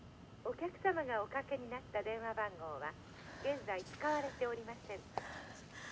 お客さまがおかけになった電話番号は現在使われておりません。